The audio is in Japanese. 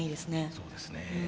そうですね。